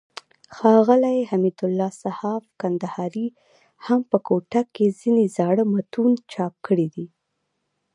ښاغلي حمدالله صحاف کندهاري هم په کوټه کښي ځينې زاړه متون چاپ کړي دي.